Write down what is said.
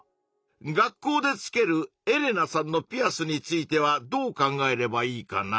学校でつけるエレナさんのピアスについてはどう考えればいいかな？